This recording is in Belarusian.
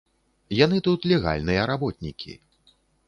Яны тут легальныя работнікі.